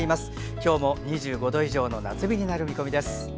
今日も２５度以上の夏日になる見込みです。